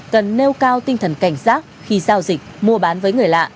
cần nêu cao tinh thần cảnh giác khi giao dịch mua bán với người lạ